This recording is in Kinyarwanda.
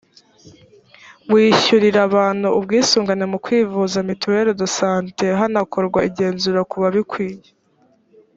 wishyurira abantu ubwisungane mu kwivuza [mutuelle de sante] hanakorwa igenzura kubabikwiye